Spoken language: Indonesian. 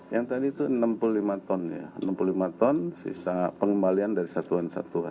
yang tadi itu enam puluh lima ton ya enam puluh lima ton sisa pengembalian dari satuan satuan